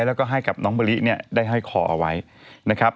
แล้วก็ให้กับน้องมะลิได้ไฮคอเอาไว้นะครับ